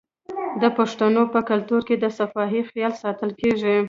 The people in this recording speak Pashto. د پښتنو په کلتور کې د صفايي خیال ساتل کیږي.